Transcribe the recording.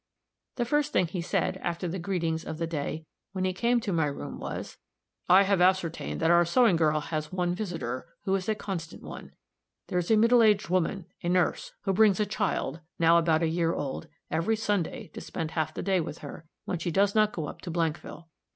The first thing he said, after the greetings of the day, when he came to my room, was, "I have ascertained that our sewing girl has one visitor, who is a constant one. There is a middle aged woman, a nurse, who brings a child, now about a year old, every Sunday to spend half the day with her, when she does not go up to Blankville.